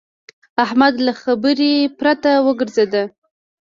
احمد له خبرې بېرته وګرځېد.